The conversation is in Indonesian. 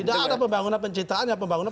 tidak ada pembangunan pencitraan ya pembangunan